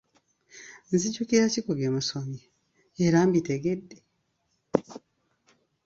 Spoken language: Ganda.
Nzijukira ki ku bye nsomye era mbitegedde?